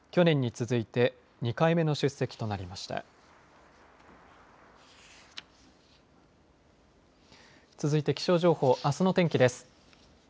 続いて気象情報あすの天気です。